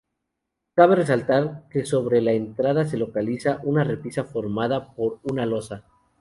Cabe resaltar que sobre la entrada se localiza una repisa formada por una losa.